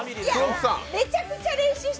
めちゃくちゃ練習して。